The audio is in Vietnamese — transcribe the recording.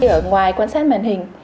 ở ngoài quan sát màn hình